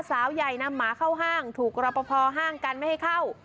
สาวใหญ่นำหมาเข้าห้างถูกรอปภห้างกันไม่ให้เข้า